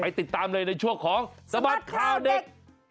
ไปติดตามเลยในช่วงของสมัครคราวเด็ก